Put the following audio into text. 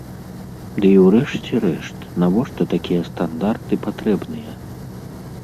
Ды і ўрэшце рэшт, навошта такія стандарты патрэбныя?